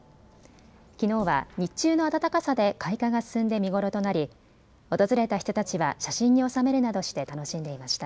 きのうは日中の暖かさで開花が進んで見頃となり訪れた人たちは写真に収めるなどして楽しんでいました。